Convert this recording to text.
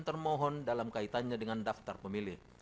termohon dalam kaitannya dengan daftar pemilih